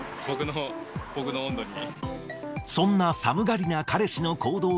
僕の温度に。